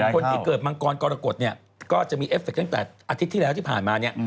คนที่เกิดมังกรกรากฏก็จะมี๑๙๙๐๑๙๙๐ที่เราพามา